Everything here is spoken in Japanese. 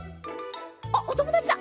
あっおともだちだ。